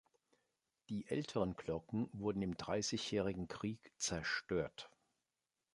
Die älteren Glocken wurden im Dreißigjährigen Krieg zerstört.